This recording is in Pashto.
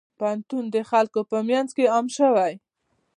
پوهنتون د خلکو په منځ عام شوی.